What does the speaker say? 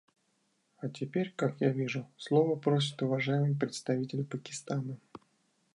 А теперь, как я вижу, слова просит уважаемый представитель Пакистана.